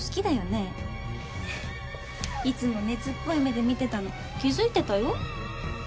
いつも熱っぽい目で見てたの気づいてたよ。